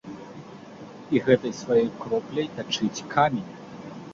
І гэтай сваёй кропляй тачыць камень.